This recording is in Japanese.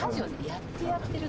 「やってやってる」。